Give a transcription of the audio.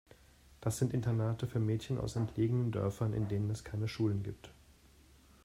Das sind Internate für Mädchen aus entlegenen Dörfern, in denen es keine Schulen gibt.